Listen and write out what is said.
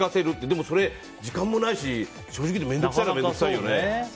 でも、時間もないし正直言って面倒くさいよね。